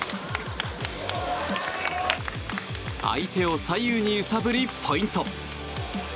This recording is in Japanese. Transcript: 相手を左右に揺さぶりポイント。